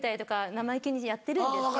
生意気にやってるんですけど。